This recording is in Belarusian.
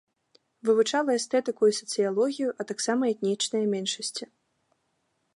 Вывучала эстэтыку і сацыялогію, а таксама этнічныя меншасці.